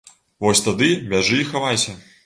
Вось тады бяжы і хавайся.